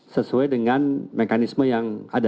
sesuai dengan mekanisme yang ada